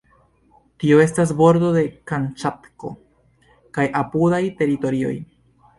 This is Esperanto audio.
Tio estas nordo de Kamĉatko kaj apudaj teritorioj.